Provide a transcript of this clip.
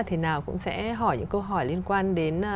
thế nào cũng sẽ hỏi những câu hỏi liên quan đến